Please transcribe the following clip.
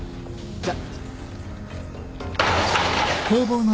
じゃあ。